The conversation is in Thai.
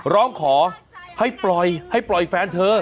ร้องขอให้ปล่อยแฟนเธอ